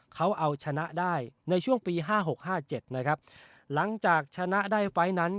เขาเอาชนะได้ในช่วงปีห้าหกห้าเจ็ดนะครับหลังจากชนะได้ไฟล์นั้น